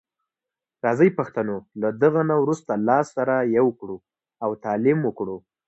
راځي پښتنو له دغه نه وروسته لاس سره یو کړو او تعلیم وکړو.